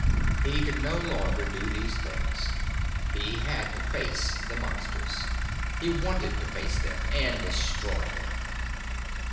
He could no longer do these things: he had to face the Monsters. He wanted to face them and destroy them.